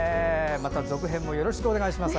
続編もよろしくお願いします。